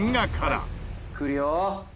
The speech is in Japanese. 「くるよ」